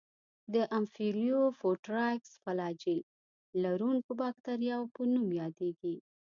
د امفیلوفوټرایکس فلاجیل لرونکو باکتریاوو په نوم یادیږي.